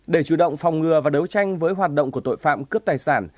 để chủ động phòng ngừa và đấu tranh với hoạt động của tội phạm cướp tài sản